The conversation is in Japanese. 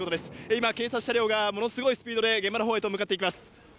今、警察車両がものすごいスピードで現場のほうへと向かっていきます。